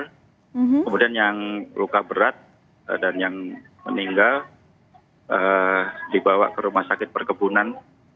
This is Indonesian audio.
kemudian yang luka berat dan yang meninggal dibawa ke rumah sakit perkebunan